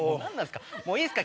もういいっすか？